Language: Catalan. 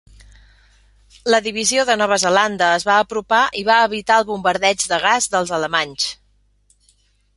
La divisió de Nova Zelanda es va apropar i va evitar el bombardeig de gas dels alemanys.